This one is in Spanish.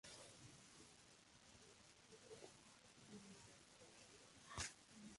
La nebulosa que la rodea fue probablemente expulsada durante esta última etapa.